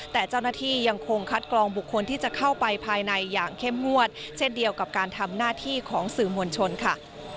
แต่เจ้าหน้าที่ยังคงคัดกรองบุคคลที่จะเข้าไปภายในอย่างเข้มงวดเช่นเดียวกับการทำหน้าที่ของสื่อมวลชนค่ะ